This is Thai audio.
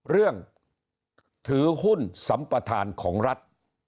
เรื่องถือหุ้นสัมประธานของรัฐ